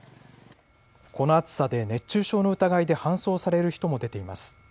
この暑さで熱中症の疑いで搬送される人も出ています。